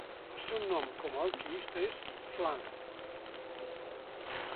El seu nom com alquimista es Flame.